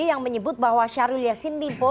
yang menyebut bahwa syahrul yassin limpo